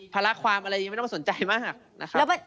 พละความอะไรยังไม่ต้องมาสนใจมากนะครับ